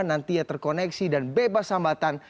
nantinya terkoneksi dan bebas hambatan